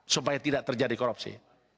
supaya tidak terjadi korupsi